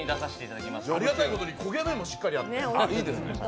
ありがたいことに、焦げ目もしっかりあって。